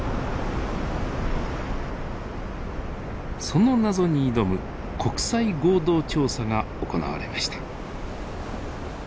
その謎に挑む国際合同調査が行われました。